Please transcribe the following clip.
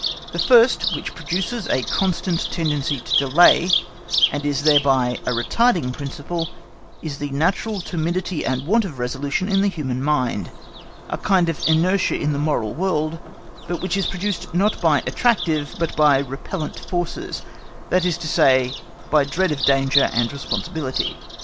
The first, which produces a constant tendency to delay, and is thereby a retarding principle, is the natural timidity and want of resolution in the human mind, a kind of inertia in the moral world, but which is produced not by attractive, but by repellent forces, that is to say, by dread of danger and responsibility.